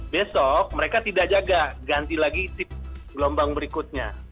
besok mereka tidak jaga ganti lagi sip gelombang berikutnya